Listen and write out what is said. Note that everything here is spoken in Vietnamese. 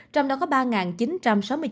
trong đó có ba chín trăm sáu mươi chín người